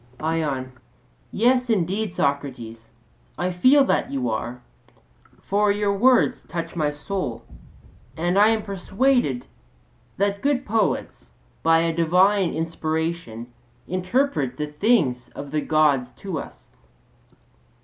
ION: Yes, indeed, Socrates, I feel that you are; for your words touch my soul, and I am persuaded that good poets by a divine inspiration interpret the things of the Gods to us.